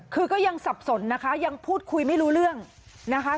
คือก็ยังสับสนนะคะยังพูดคุยไม่รู้เรื่องนะคะ